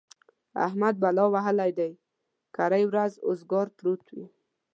احمد بلا وهلی دی؛ کرۍ ورځ اوزګار پروت وي.